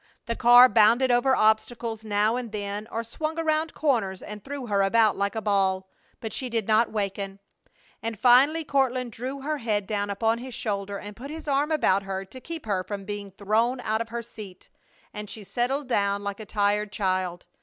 The car bounded over obstacles now and then, or swung around corners and threw her about like a ball, but she did not waken; and finally Courtland drew her head down upon his shoulder and put his arm about her to keep her from being thrown out of her seat; and she settled down like a tired child.